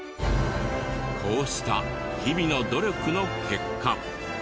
こうした日々の努力の結果。